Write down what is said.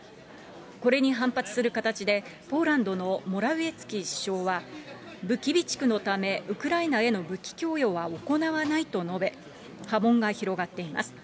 これに反発する形で、ポーランドのモラウィエツキ首相は、武器備蓄のためウクライナへの武器供与は行わないと述べ、波紋が広がっています。